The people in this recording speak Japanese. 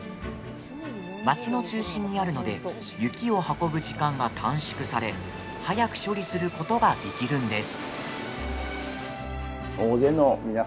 町の中心にあるので雪を運ぶ時間が短縮され早く処理することができるんです。